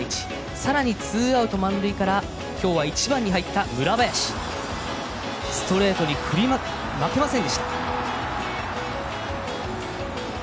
さらに、ツーアウト、満塁から今日は１番に入った村林ストレートに振り負けませんでした。